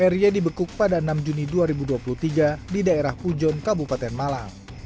r y dibekuk pada enam juni dua ribu dua puluh tiga di daerah pujon kabupaten malang